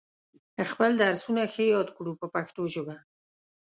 خپل درسونه ښه یاد کړو په پښتو ژبه.